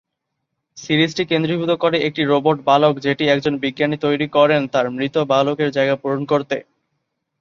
সিরিজটি কেন্দ্রীভূত করে একটি রোবট বালক যেটি একজন বিজ্ঞানী তৈরি করেন তার মৃত বালকের জায়গা পূরণ করতে।